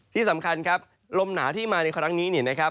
ที่สำคัญลมหนาวที่มาในครั้งนี้